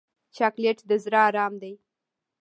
چاکلېټ د زړه ارام دی.